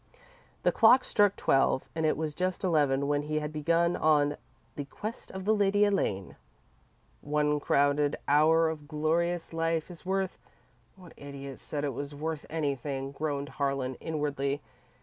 The clock struck twelve, and it was just eleven when he had begun on The Quest of the Lady Elaine. "'One crowded hour of glorious life is worth' what idiot said it was worth anything?" groaned Harlan, inwardly.